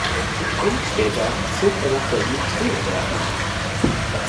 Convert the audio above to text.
Wenig später zog er nach Berlin-Schöneberg.